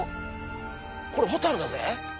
これホタルだぜ！